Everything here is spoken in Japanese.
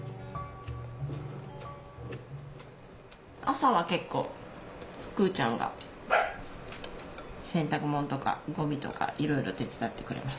朝は結構くちゃんが洗濯物とかゴミとかいろいろ手伝ってくれます。